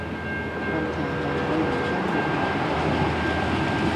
問題係我而家冇項目做